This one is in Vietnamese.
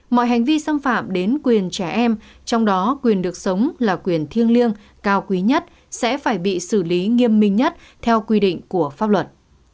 mọi hành vi xâm phạm đến quyền trẻ em trong đó quyền được sống là quyền thiêng liêng cao quý nhất sẽ phải bị xử lý nghiêm minh nhất theo quy định của pháp luật